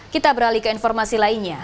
kita beralih ke informasi lainnya